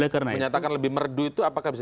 menyatakan lebih merdu itu apakah bisa